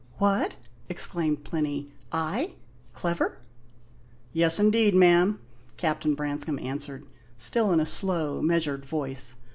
"What?" exclaimed Plinny. "I? Clever?" "Yes, indeed, ma'am," Captain Branscome answered, still in a slow, measured voice.